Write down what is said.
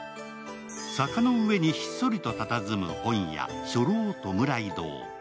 坂の上にひっそりとたたずむ本屋、書楼弔堂。